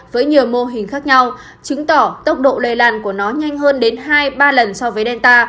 với nhiều mô hình khác nhau chứng tỏ tốc độ lây lan của nó nhanh hơn đến hai ba lần so với delta